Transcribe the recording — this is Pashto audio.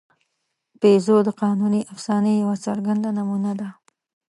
پيژو د قانوني افسانې یوه څرګنده نمونه ده.